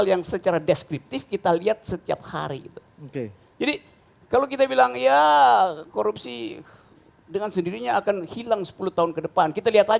ini komitmen pemerintahan